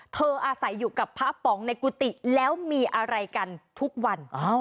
อาศัยอยู่กับพระป๋องในกุฏิแล้วมีอะไรกันทุกวัน